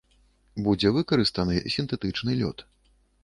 Будзе выкарыстаны сінтэтычны лёд.